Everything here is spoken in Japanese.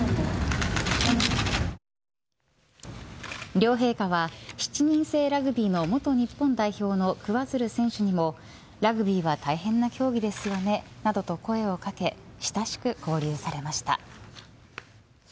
両陛下は７人制ラグビーの元日本代表の桑水流選手にもラグビーは大変な競技ですよねなどと声をかけ親しく交流されました。